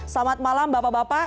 selamat malam bapak bapak